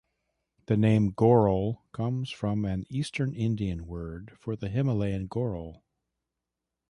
The name "goral" comes from an eastern Indian word for the Himalayan goral.